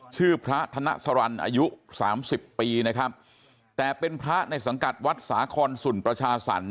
ชื่อพระธนสรรค์อายุสามสิบปีนะครับแต่เป็นพระในสังกัดวัดสาคอนสุนประชาสรรค